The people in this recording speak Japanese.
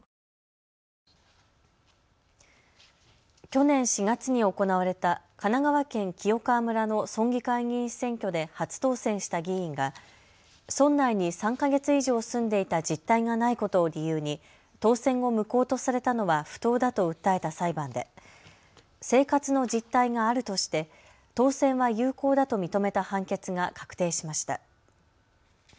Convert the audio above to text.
去年４月に行われた神奈川県清川村の村議会議員選挙で初当選した議員が村内に３か月以上住んでいた実態がないことを理由に当選を無効とされたのは不当だと訴えた裁判で生活の実態があるとして当選は有効だと認めた判決が確定しました。